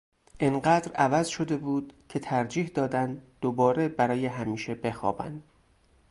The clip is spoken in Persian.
اِنقدر عوض شده بود که ترجیح دادن دوباره برای همیشه بخوابن